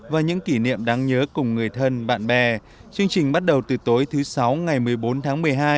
và những kỷ niệm đáng nhớ cùng người thân bạn bè chương trình bắt đầu từ tối thứ sáu ngày một mươi bốn tháng một mươi hai